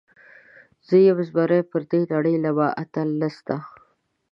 زه یم زمری، پر دې نړۍ له ما اتل نسته.